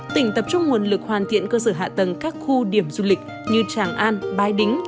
tỉnh tập trung nguồn lực hoàn thiện cơ sở hạ tầng các khu điểm du lịch như tràng an bài đính